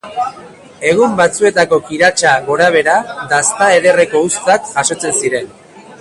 Egun batzuetako kiratsa gorabehera, dasta ederreko uztak jasotzen ziren.